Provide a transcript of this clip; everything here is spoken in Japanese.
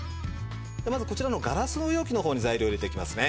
まずこちらのガラスの容器の方に材料を入れていきますね。